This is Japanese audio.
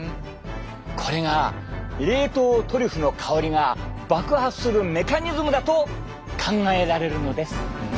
これが冷凍トリュフの香りが爆発するメカニズムだと考えられるのです。